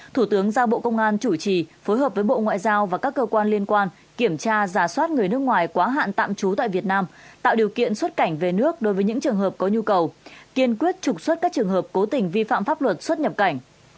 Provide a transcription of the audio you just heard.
thủ tướng ra bộ công an chủ trì phối hợp với bộ ngoại giao và các cơ quan liên quan kiểm tra giả soát người nước ngoài quá hạn tạm trú tại việt nam tạo điều kiện xuất cảnh về nước đối với những trường hợp có nhu cầu kiên quyết trục xuất các trường hợp cố tình vi phạm pháp luật xuất nhập cảnh